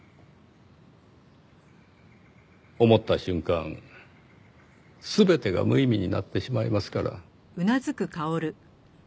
思った瞬間全てが無意味になってしまいますから。